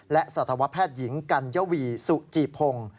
และสัตวแพทย์หญิงกัญวีสุจิพงศ์